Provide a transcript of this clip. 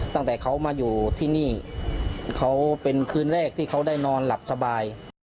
ตั้งแต่เขามาอยู่ที่นี่เขาเป็นคืนแรกที่เขาได้นอนหลับสบาย